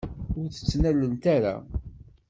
Ur t-ttnalent ara.